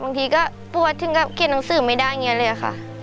บางทีก็ปวดถึงกับเขียนหนังสือไม่ได้อย่างนี้เลยค่ะ